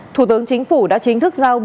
thủ tướng chính phủ đã chính thức giao bộ